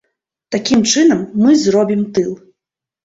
Такім чынам мы зробім тыл.